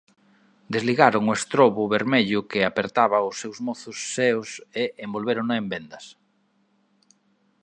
Desligaron o estrobo vermello que apertaba os seus mozos seos e envolvérona en vendas.